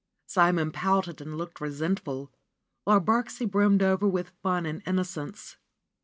Simon pouted and looked resentful, while Birksie brimmed over with fun and innocence.